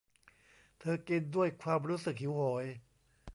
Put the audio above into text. เธอกินด้วยความรู้สึกหิวโหย